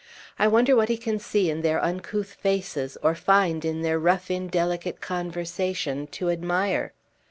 I wonder what he can see in their uncouth faces, or find in their rough indelicate conversation to admire.